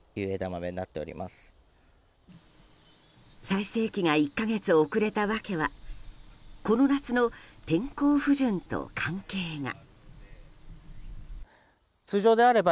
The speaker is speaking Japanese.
最盛期が１か月遅れた訳はこの夏の天候不順と関係が。